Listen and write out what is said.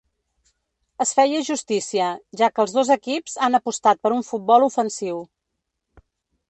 Es feia justícia, ja que els dos equips han apostat per un futbol ofensiu.